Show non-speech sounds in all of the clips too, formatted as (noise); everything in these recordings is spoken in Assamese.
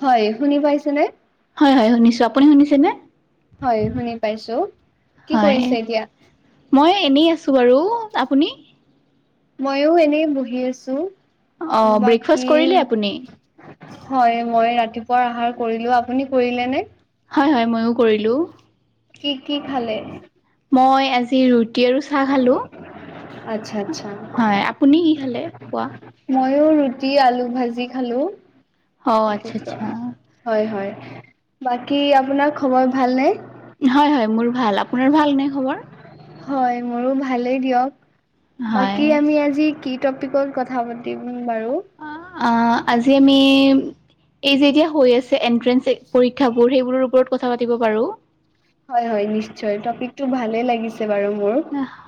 হয় শুনি পাইছেনেে? হয় হয় শুনিছো আপুনি শুনিছেনে? হয় শুনি পাইছো কি হয় কৰিছে এতিয়া? মই এনেই আছোঁ বাৰু আপুনি? ময়ো এনেই বহি আছো অ ব্ৰেকফাষ্ট বাকী কৰিলে আপুনি হয় মই ৰাতিপুৱাৰ আহাৰ কৰিলো আপুনি কৰিলে নে? হয় হয় মইো কৰিলোঁ। কি কি খালে? মই আজি ৰুটি আৰু চাহ খালোঁ। আচ্ছা আচ্ছা। আপুনি কি খালে পুৱা ময়ও ৰুটি আলু ভাজি খালো। অ আচ্ছা আচ্ছা হয় হয় বাকী আপোনাৰ খবৰ ভালনে? হয় হয় মোৰ ভাল। আপোনাৰ ভাল নে খবৰ? হয় মোৰো ভালেই দিয়ক। হয় বাকী আমি আজি কি টপিকত কথা পাতিম বাৰু? অ' আজি আমি এই যে এতিয়া হৈ আছে এনট্ৰেন্স পৰীক্ষাবোৰ সেইবোৰৰ ওপৰত কথা পাতি পাৰোঁ। হয় হয় নিশ্চয়। টপিকটো ভালে লাগিছে বাৰু মোৰ।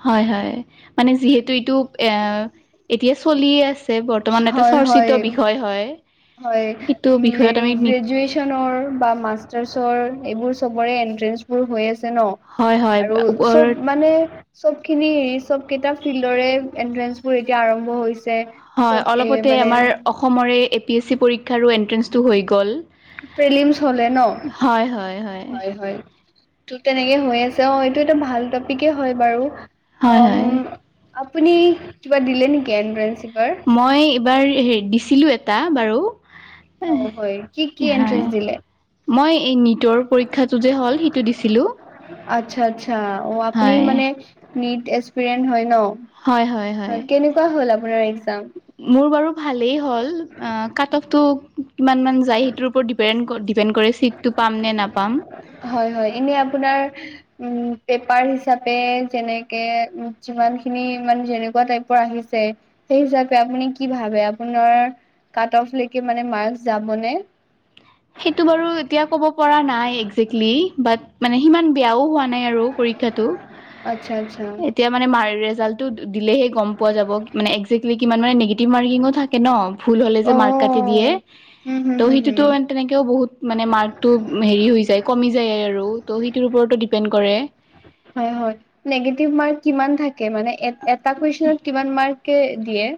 হয় হয়, মানে যিহেতু এইটো এ, এতিয়া চলিয়ে আছে। বৰ্তমান এইটা হয় চৰ্চিত হয় বিষয় হয়। হয় সেইটো উম, বিষয়ত হেৰি আমি নি গ্ৰেজুয়েচন টচনৰ বা মাষ্টাৰ্চৰ এইবোৰ চবৰে এনট্ৰেঞ্চবোৰ হৈ আছে ন'। হয় হয় আৰু ওপৰত চব মানে চবখিনি হেৰি চবকেইটা ফিল্ডৰে এনট্ৰেন্ঞ্চবোৰ এতিয়া আৰম্ভ হৈছে। হয়, চব এ অলপতে মানে আমাৰ অসমৰে এ পি এছ চি পৰীক্ষাৰো এণ্ট্ৰেঞ্চটো হৈ গ'ল। প্ৰিলিমছ হ'লে ন'? হয় হয় হয় হয়। ত' তেনেকে হৈ আছে, অ' এইটো এটা ভাল টপিকেই হয় বাৰু। হয় অ হয় আপুনি কিবা দিলে নেকি এনট্ৰেঞ্চ এইবাৰ? মই এইবাৰ হেৰি দিছিলোঁ এটা বাৰু। অ' হয়। কি কি হয় এনট্ৰেঞ্চ দিলে? মই এই নীটৰ পৰীক্ষাটো যে হ'ল সেইটো দিছিলোঁ। আচ্ছা আচ্ছা। অ' আপনি মানে নিট এচপেৰিয়েণ্ট হয় হয় হয় হয় ন'? কেনেকুৱা হ'ল আপোনাৰ এক্সাম? মোৰ বাৰু ভালেই হ'ল। এ, কাটফটো কিমান মান যায় সেইটোৰ ওপৰত ডিপে ডিপেণ্ড কৰে চিটটো পাম নে নাপাম। হয় হয়, এনে আপোনাৰ উম, পেপাৰ হিচাপে যেনেকে যিমানখিনি মানে যেনেকুৱা টাইপ আহিছে সেই হিচাপে আপুনি কি ভাবে আপোনাৰ কাট অফ লৈকে মানে মাৰ্ক যাবনে? সেইটো বাৰু এতিয়া ক'ব পৰা নাই একজেক্টলি, বাট মানে সিমান বেয়াও হোৱা নাই আৰু পৰীক্ষাটো। আচ্ছা আচ্ছা তেতিয়া মানে মাৰ ৰেজাল্টো দিলহে গ'ম পোৱা যাব মানে এক্টজেকলি কিমান মানে, নিগটিভ মাৰ্কিঙো থাক তাকে ন' ভুল হ'লে যে অ মাৰ্ক কাটি দিয়ে হুম হুম ত' হুম সেইটোতো হুম তেনেকৈও বহুত মানে মাৰ্কটো হেৰি হৈ যায় কমি যায় আৰু ত' সেইটোৰ ওপৰতো ডিপেণ্ড কৰে। হয় হয়, নিগেটিভ মাৰ্ক কিমান থাকে, মানে এটা কুইচনত কিমান মাৰ্ক কে দিয়ে?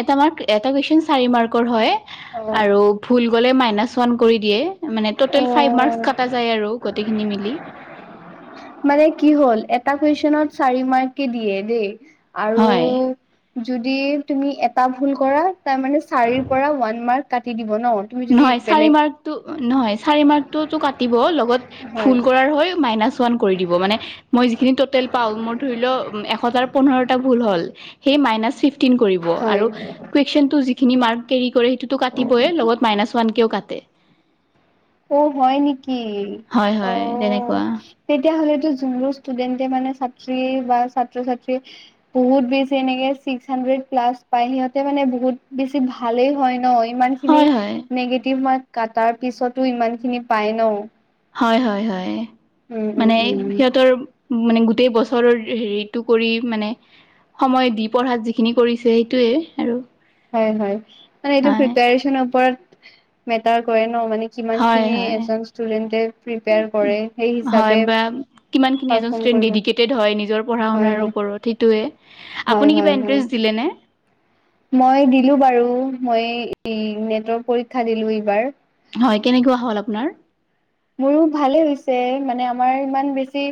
এটা মাৰ্ক, এটা কুৱেচন চাৰি মাৰ্কৰ হয় অ আৰু ভুল গ'লে মাইনাচ ওৱান কৰি দিয়ে। মানে টটেল ফাইভ মাৰ্কচ অ কাটা যায় আৰু গোটেইখিনি মিলি মানে কি হ'ল এটা কুৱেচনত চাৰি মাৰ্ক দিয়ে দেই। আৰু হয়। যদি তুমি এটা ভুল কৰা তাৰমানে চাৰিৰপৰা ওৱান মাৰ্ক কাটি দিব ন'? তুমি যদি নহয় চাৰি বেলেগ মাৰ্কটো নহয় চাৰি মাৰ্কটোতো কাটিব লগত হয় ভুল কৰাৰ হয় মাইনাচ ওৱান কৰি দিব মানে মই যিখিনি টোটেল পাওঁ মোৰ ধৰি লও এশটাৰ পোন্ধৰটা ভুল হ'ল সেই মাইনাছ ফিফটিন কৰিব হয় আৰু কুইছনটো যিখিনি কেৰি কৰে সেইটোতো কাটিবই মাইনাছ ওৱান কেও কা তে অ' হয় নেকি? হয় হয় তেনেকুৱা অ'। তেতিয়াহ'লেতো যোনবোৰ ষ্টুডেণ্টে মানে ছাত্ৰ বা ছাত্ৰ ছাত্ৰী বহুত বেছি এনেকে ছিক্স হাণ্ড্ৰেড প্লাছ পাই সিহঁতে মানে বহুত বেছি ভালেই হয় ন' ইমান হয় হয় নেগটিভ মাৰ্ক কাটাৰ পিছতো ইমানখিনি পাই ন'? হয় হয় হয়, উম উম মানে উম সিহঁতৰ মানে গোটেই বছৰৰ হেৰিটো কৰি মানে সময় দি পঢ়াত যিখিনি কৰিছে সেইটোৱে আৰু। হয়, হয় মানে এইটো হয় প্ৰিপচনৰ ওৰত মেটাৰ কৰে ন মানে। যিমান হয় খিনি হয় এজন ষ্টুডেণ্টে প্ৰিপেয়াৰ কৰে সেই হয় হিচাপে। বা কিমানখিনি এজন পাৰফৰ্ম ষ্টুডেণ্ট কৰিব ডেডিকেটেড হয় নিজৰ পঢ়া হয় শুনাৰ হয় ওপৰত সেইটোৱে, হয় আপুনি হয় কিবা হয় এণ্টাৰেষ্ট দিলে নে। মই দিলো বাৰু মই নেটৰ পৰীক্ষা দিলো এইবাৰ। হয় কেনেকুৱা হ'ল আপোনাৰ। মোৰো ভালে হৈছে মানে আমাৰ ইমান বেছি।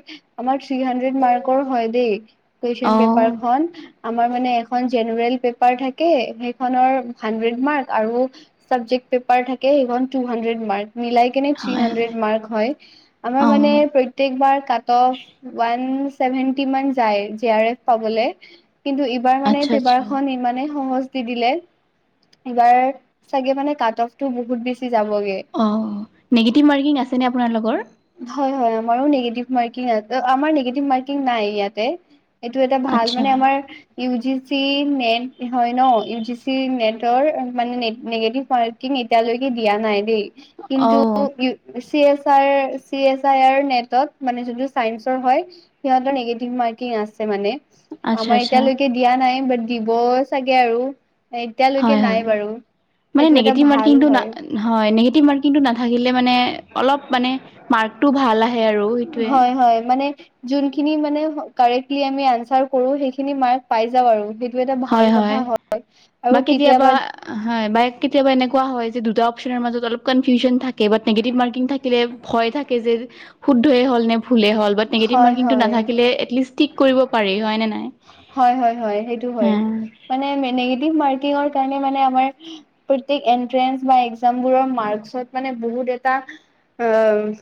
আমাৰ থ্ৰী হাড্ৰেড মাৰ্কৰ হয় দেই, কুৱেশন অ' পেপাৰখন আমাৰ মানে। এখন জেনেৰেল পেপাৰ থাকে সেইখনৰ হাণ্ড্ৰেড মাৰ্ক আৰু। চাবজেক্ট পেপাৰ থাকে সেই খন তুহাড্ৰেড মাৰ্ক নিলাই কেনে থ্ৰী হাড্ৰেড। হয়, আমাৰ মানে অ' প্ৰতৈকবাৰ কাটভ লাইন। ছেভেন্টি যায় আৰ এফ পাব কিন্তু ইবাৰ মানে আচ্ছা পেপাৰ আচ্ছা। খন ইমানেই সহজ। দিলে এইবাৰ চাগে মানে কাট অফতটো বহুত বেছি যাবগে। অ, নিগেটিভ মাৰ্কিং আছেনে আপোনালোকৰ? হয়, হয় আমাৰো নিগেটিভ মাৰ্কিং আছে, আমাৰ নিগেটিভ মাৰ্কিং নাই ইয়াতে। এইটো এটা ভাল আচ্ছা মানে আমাৰ ইউ জি চি নেট হয় ন' ইউ জি চি নেটৰ মানে নিগেটিভ মাৰ্ক এতিয়ালৈকে দিয়া নাই দেই কিন্তু অ' ই চি এ চি এই আৰ নেটত মানে যিটো চাইৰ হয় সিহঁতৰ নিগেটিভ মাৰ্কিং আছে মানে। আচ্ছা আমাৰ আচ্ছা এতিয়ালৈকে দিয়া নাই বাট দিব চাগে আৰু। এতিয়ালৈকে হয় হয়। নাই বাৰু মানে সেইটো এটা নিগেটিভ ভাল মাৰ্কিংটো না হয়। হয়, নিগেটিভ মাৰ্কিংটো নাথাকিলে মানে অলপ মানে মাৰ্কটো ভাল আহে আৰু। সেইটোৱে হয়, হয় মানে। যোনখিনি মানে কাৰেক্টলি আমি আনচাৰ কৰো সেইখিনি মাৰ্ক পাই যাওঁ আৰু। সেইটো এটা ভাল কথা হয় আৰু কেতিয়াবা হয়, ব কেতিয়াবা এনেকুৱা হয় যে দুটা অপশচনৰ মাজত অলপ কনফিউজনন থাকে বা নিগেটিভ মাৰ্কিং থাকে থাকিলে ভয় থাকে যে শুদ্ধয়ে হ'ল নে ভুলেই হল ব নিগেটিভ হয় মাৰ্কিংটো হয় নাথাকিলে এটলিষ্ট ষ্টিক কৰিব পাৰি হয় নে নাই। হয়, হয়, হয় সেইটো হয় মানেগেটিভ মাৰ্কিৰ (unintelligible) বাৰকত মানে বহুত এটা অ,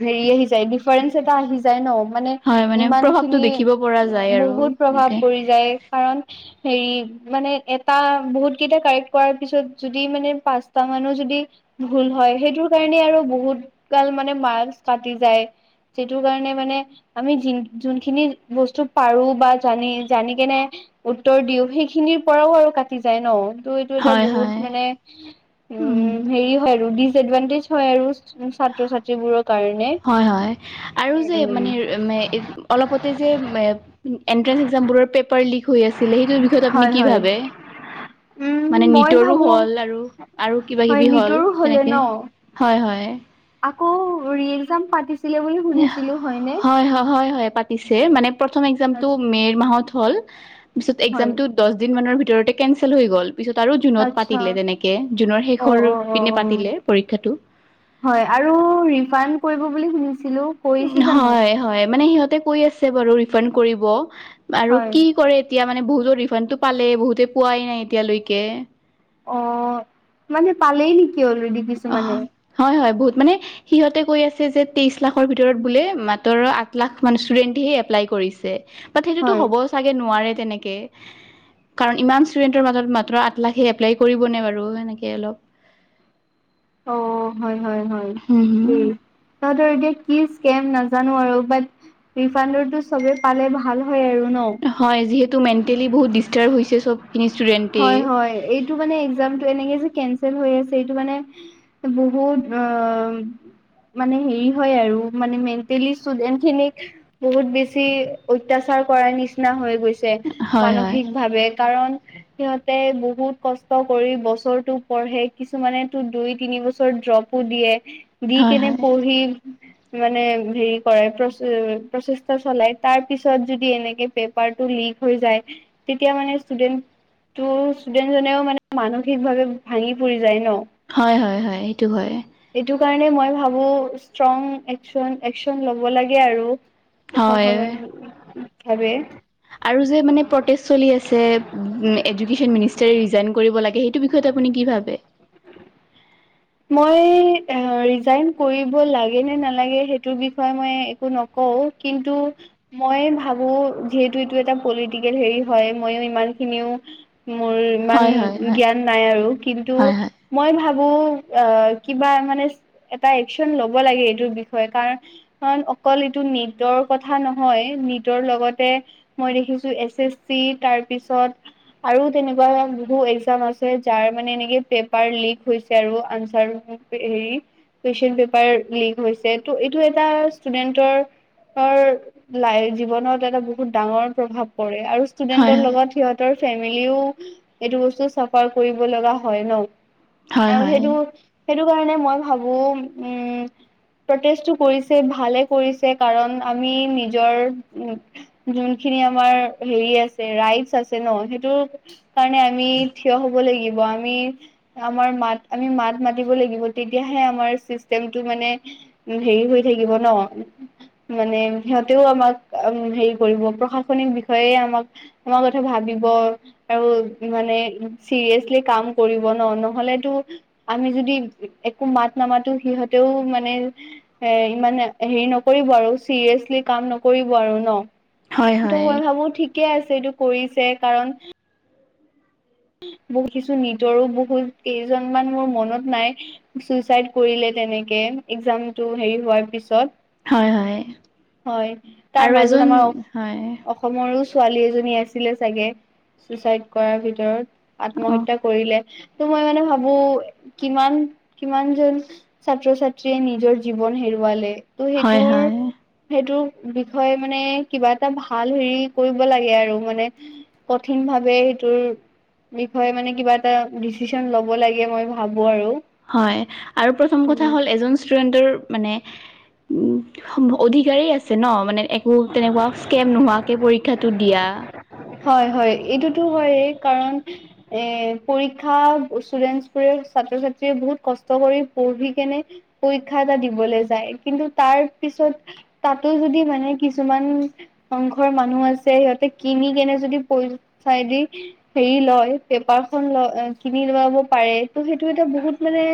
হেৰি আহি যায় ডিফাৰেন্ঞ্চ এটা আহি যায় ন। মানে হয় মানে ইমান প্ৰভাৱটো খিনি, দেখিব পৰা যায় আৰু বহুত প্ৰভাৱ এনেকে পৰি যায়। কাৰণ হেৰি মানে এটা বহুত কেইটা কাৰেক্ট কৰাৰ পিছত যদি মানে পাঁচটা মানো যদি ভুল হয় সেইটোৰ কাৰণে আৰু বহুত কাল মানে মাৰ্ক্স কাটি যায়। সেইটো কাৰণে মানে। আমি যোনখিনি বস্তু পাৰো বা জানি জানি কেনে উত্তৰ দিও সেইখিনিৰ পৰাও আৰু কাটি যায় ন' ত এ, হয় বহুত হয় মানে উম উ' হে দিছদ্ভান্তাচ হয় আৰু ছাত্ৰ ছাত্ৰীবোৰক। হয়, হয় আৰু যে, মানে উম অলপতে যে হয় হয় (unintelligible) উম মানে মই নিতৰো ভাবো হ'ল আৰু আৰু হয় কিবা-কিবি হ'ল নিটৰো হলে তেনেকে। ন হয়, হয়। আকৌ ৰি এক্সাম পাতিছে। হয়, হয়, হয়, হয়, পাইছে। চে প্ৰথম একজাম টো আচ্ছা মে মাহত হ'ল পিছত একজাম হয় টো দহ দিন মানৰ ভিতৰতে কেনচেল হৈ গ'ল। পিছত আৰু জুনত আচ্ছা পাতিলে তেনেকে, জুনৰ অ শেষৰ অ অ পিনে অ পাতিলে পৰীক্ষাটো। হয় আৰু ৰিফাইণ্ড কৰিব বুলি শুনিছিলো। কৰিছে জানো হয় হয় মানে সিহঁতে কৈ আছে বাৰু ৰিফাউন্ড কৰিব, আৰু হয় কি কৰে এতিয়া মানে বহুতো ৰিফাণ্ডটো পালে বহুতে পোৱাই নাই এতিয়ালৈকে। অ মানে পালেই কিয় অলৰেডি কিছুমানে অ' হয় হয় বহুত মানে সিহঁতে কৈ আছে যে তেইশ লাখৰ ভিতৰত বোলে মাত্ৰ আঠ লাখ মান ষ্টুডেন্টহে এপ্লাই কৰিছে। সেইটোতো হয় হ'ব চাগে নোৱাৰে তেনেকে। কাৰণ ইমান ষ্টুডেণ্টৰ মাজত মাত্ৰ আঠ লাখে এপ্লাই কৰিব নে বাৰু সেনেকে অলপ। অ হয় হয় হুম হুম। হয়েই। তাহঁতৰ এতিয়া কি স্কেম নাজানো আৰু বাট ৰিফাণ্ডৰো চবে পালে ভাল হয় আৰু ন। হয় যিহেতু মেণ্টেলি বহুত ডিষ্টাৰ্ব হৈছে চব (inaudible) হয় হয় এইটো ইটো একজামটো এনেকে যে কেনচেল হৈ আছে এইটো মানে বহুত অ মানে হেৰি হয় আৰু মানে মেণ্টেলি ষ্টুডেন্ট খিনিক বহুত বেছি অত্যাচাৰ কৰাৰ নিচিনা হৈ গৈছে। হয় হয় মানসিক ভাৱে। কাৰণ সিহঁতে বহুত কষ্ট কৰি বছৰটো পঢ়ে, কিছুমানে তো দুই তিনি বছৰ ড্ৰপ দিয়ে দি হয় হয় কেনে পঢ়ি মানে হেৰি কৰে প্ৰচেষ্টা চলাই তাৰ পিছত যদি এনেকে পেপাৰটো লিক হৈ যায় তেতিয়া মানে ষ্টুডেন্ট ত ষ্টুডেন্ট জনেও মানে মানসিকভাৱে ভাঙি পৰি যায় ন। হয় হয় হয় সেইটো হয়। এইটো কাৰণে মই ভাবো ষ্ট্ৰং একচন একচন ল'ব লাগে আৰু। হয়। প্ৰশাসনিক ভাবে। আৰু যে মানে চলি আছে এডুকেচন মিনিষ্টাৰে ৰিজাইন কৰিব লাগে। সেইটো বিষয়ত আপুনি কি ভাবে? মই ৰিজাইন্ট কৰিব লাগে নে নলাগে সেইটো বিষয়ে মই একো ন কওঁ কিন্তু মই ভাবো যিহেতু এইটো এটা পলিটিকেল হেৰি হয় মই ইমান খিনিও মোৰ ইমান হয় হয় হয়। জ্ঞান নাই আৰু কিন্তু হয় মই ভাবো অ কিবা মানে এটা একচন ল'ব লাগে এইটোৰ বিষয়ে কাৰণ কাৰণ অকল এইটো নীটৰ কথা নহয়, নীটৰ লগতে মই দেখিছো এছ এছ চি তাৰ পিছত আৰু তেনেকুৱা বহুত একজাম আছে যাৰ মানে এনেকে পেপাৰ লিক হৈছে আৰু। (unintelligible) কুৱেশচন পেপাৰ লিক হৈছে ত' এইটো এটা ষ্টুডেন্টৰ ৰ লাইফ জীৱনত এটা বহুত ডাঙৰ প্ৰভাৱ পৰে আৰু হয় ষ্টুডেন্টৰ হয় লগত সিহঁতৰ ফেমিলিও এইটো বস্তু চাফাৰ কৰিব লগা হয় ন। হয় হয় আৰু হয় সেইটো, সেইটো কাৰণে মই ভাবো উম প্ৰটেষ্টটো কৰিছে ভালে কৰিছে, কাৰণ আমি নিজৰ উম যোনখিনি আমাৰ হেৰি আছে ৰাইটচ আছে ন, সেইটো কাৰণে আমি থিয় হ'ব লাগিব। আমি আমাৰ মাত আমি মাত মাতিব লাগিব তেতিয়াহে আমাৰ চিষ্টেমটো মানে হেৰি হৈ থাকিব ন। মানে সিহঁতেও আমাক হেৰি কৰিব প্ৰশাসনিক বিষয়ে আমাক তোমাৰ কথা ভাবিব আৰু মানে চিৰিয়াচলি কাম কৰিব ন, নহলেতো আমি যদি একো মাত নামাতো সিহঁতেও মানে এ ইমানে হেৰি নকৰিব আৰু চিৰিয়াচলি কাম নকৰিব আৰু ন। হয় ত' হয় মই ভাবো ঠিকে আছে এইটো কৰিছে কাৰণ বহুত কিছু নিজৰো বহুত কেইজনমান মোৰ মনত নাই চুচাইড কৰিলে তেনেকে এক্সাম টো হেৰি হোৱাৰ পিছত হয় হয় হয়, তাৰ আৰু মাজত এজন আমাৰ হয় অসমৰো ছোৱালী এজনী আছিলে চাগে চুচাইদ কৰাৰ ভিতৰত অ আত্মহত্যা কৰিলে ত' মই মানে ভাবো কিমান, কিমান জন ছাত্ৰ ছাত্ৰীয়ে নিজৰ জীৱন হেৰুৱালে ত' হয় সেইটোৰ হয় সেইটোৰ বিষয়ে মানে কিবা এটা ভাল হেৰি কৰিব লাগে আৰু মানে কঠিন ভাৱে এইটোৰ বিষয়ে মানে কিবা এটা ডিচিশন লব লাগে মই ভাবো আৰু হয়, আৰু প্ৰথম কথা উম হ'ল এজন মানে অধিকাৰী আছে ন মানে একো তেনেকুৱা স্কেম নোহোৱাকে পৰীক্ষাটো দিয়া। হয়, হয় এইটোতো হয়েই কাৰণ এ পৰীক্ষা ষ্টুডেন্ট বোৰে ছাত্ৰ ছাত্ৰীয়ে বহুত কষ্ট কৰি পঢ়ি কেনে পৰীক্ষা এটা দিবলৈ যায় কিন্তু তাৰ পিছত তাতো যদি মানে কিছুমান অংখৰ মানুহ আছে সিহঁতে কিনি নে যদি প চাইদে হেৰি লয় পেপাৰ খন ল কিনি লাব পাৰে ত' সেইটো এতিয়া বহুত মানে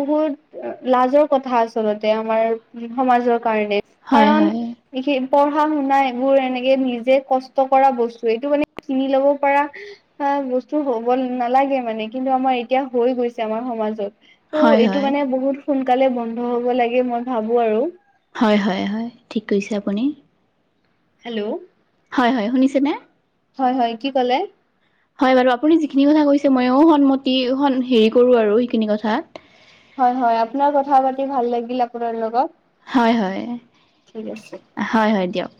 বহুত লাজৰ কথা আচলতে আমাৰ সমাজৰ কাৰণে হয় কাৰণ হয় পঢ়া শুনা এইবোৰ এনেকে নিজে কষ্ট কৰা বস্তু এইটো মানে চিনি লব পাৰা হা বস্তু হ'ব নালাগে মানে কিন্তু আমাৰ এতিয়া হৈ গৈছে আমাৰ সমাজত ত' হয় এইটো হয় মানে বহুত সোনকালে বন্ধ হ'ব লাগে মই ভাবো আৰু হয়, হয়, হয় ঠিক কৰিছে আপুনি হেল্ল'। হয়, হয় শুনিছেনে। হয়, হয় কি ক'লে হয় বাৰু আপুনি যিখিনি কথা কৈছে ময়ও সন্মতি হেৰি কৰো আৰু সেইখিনি কথা হয়, হয় আপোনাৰ কথা পাতি ভাল লাগিল আপোনাৰ লগত হয়, হয়, ঠিক আছে হয়, হয় দিয়ক।